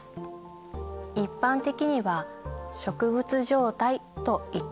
一般的には植物状態と言ったりもしていますね。